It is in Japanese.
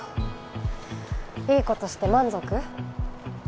いい事して満足？